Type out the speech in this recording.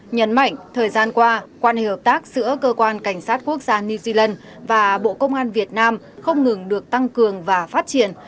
nhấn mạnh thời gian qua quan hệ hợp tác giữa cơ quan cảnh sát quốc gia new zealand và bộ công an việt nam không ngừng được tăng cường và phát triển